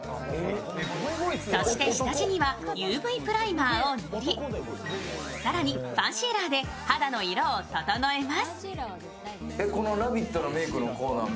そして下地には、ＵＶプライマーを塗り、更にファンシーラーで肌の色を整えます。